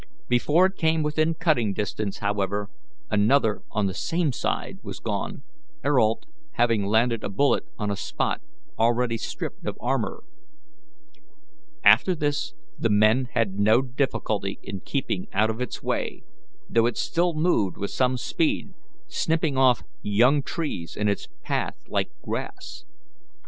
Before it came within cutting distance, however, another on the same side was gone, Ayrault having landed a bullet on a spot already stripped of armour. After this the men had no difficulty in keeping out of its way, though it still moved with some speed, snipping off young trees in its path like grass.